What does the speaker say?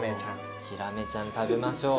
ヒラメちゃん食べましょう。